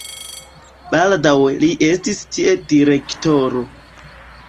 Baldaŭe li estis tie direktoro.